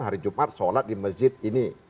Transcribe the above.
hari jumat sholat di masjid ini